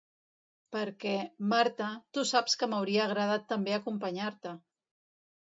Perquè, Marta, tu saps que m'hauria agradat també acompanyar-te!